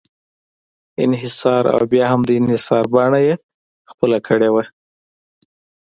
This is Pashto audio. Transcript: انحصار او بیا هم د انحصار بڼه یې خپله کړې وه.